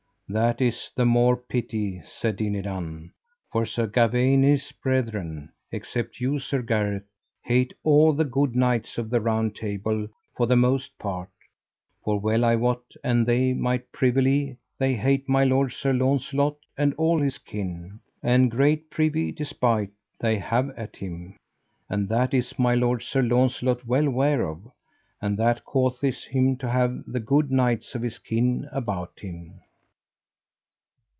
That is the more pity, said Dinadan, for Sir Gawaine and his brethren, except you Sir Gareth, hate all the good knights of the Round Table for the most part; for well I wot an they might privily, they hate my lord Sir Launcelot and all his kin, and great privy despite they have at him; and that is my lord Sir Launcelot well ware of, and that causeth him to have the good knights of his kin about him.